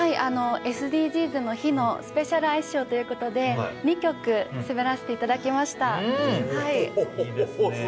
「ＳＤＧｓの日」のスペシャルアイスショーということで２曲滑らせていただきました。